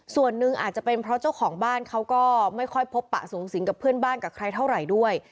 ส่วนหนึ่งอาจจะเป็นเพราะเจ้าของบ้านเขาก็ไม่ค่อยพบปะสูงสิงกับเพื่อนบ้านกับใครเท่าไหร่ด้วย